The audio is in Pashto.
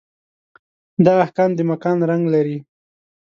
دا احکام د مکان رنګ لري.